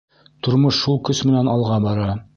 Тормош шул көс менән алға бара.